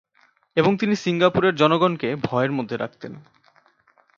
এবং তিনি সিঙ্গাপুরের জনগণকে ভয়ের মধ্যে রাখতেন।